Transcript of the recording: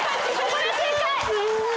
これ正解！